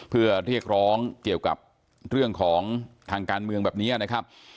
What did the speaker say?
เพื่อเรียกร้องเกี่ยวกับเรื่องของทางการเมืองแบบนี้นะครับ